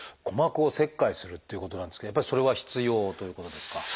鼓膜を切開するっていうことなんですけどやっぱりそれは必要ということですか？